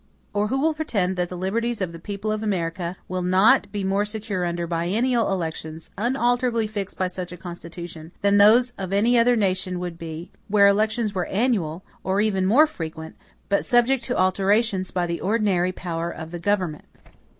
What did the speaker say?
Or who will pretend that the liberties of the people of America will not be more secure under biennial elections, unalterably fixed by such a Constitution, than those of any other nation would be, where elections were annual, or even more frequent, but subject to alterations by the ordinary power of the government?